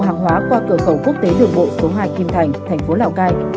bộ hàng hóa qua cửa khẩu quốc tế được bộ số hai kim thành thành phố lào cai